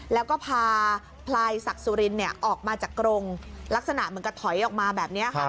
แล้วก็พาพลายศักดิ์สุรินออกมาจากกรงลักษณะเหมือนกับถอยออกมาแบบนี้ค่ะ